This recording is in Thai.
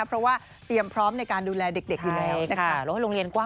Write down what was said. เพราะว่าเตรียมพร้อมในการดูแลเด็กอยู่แล้วนะคะ